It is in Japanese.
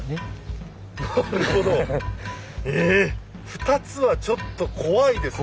２つはちょっと怖いですね。